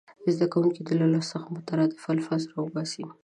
زده کوونکي دې له لوست څخه مترادف الفاظ راوباسي.